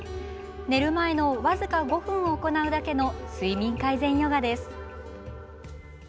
寝る前の僅か５分行うだけの睡眠改善ヨガです。